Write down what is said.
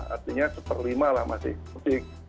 artinya satu per lima lah masih mudik